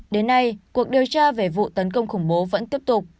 đến nay cuộc điều tra về vụ tấn công khủng bố vẫn tiếp tục